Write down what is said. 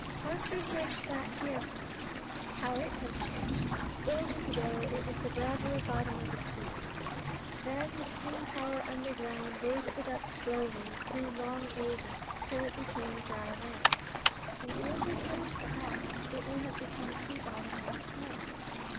Hartford Bridge Flat here, for instance, how has it changed! Ages ago it was the gravelly bottom of a sea. Then the steam power underground raised it up slowly, through long ages, till it became dry land. And ages hence, perhaps, it will have become a sea bottom once more.